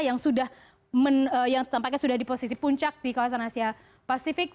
yang sudah men yang tampaknya sudah di posisi puncak di kawasan asia pasifik